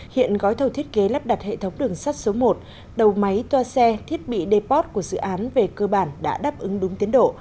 hiện gói thầu thiết kế lắp đặt hệ thống đường sắt số một đầu máy toa xe thiết bị deport của dự án về cơ bản đã đáp ứng đúng tiến độ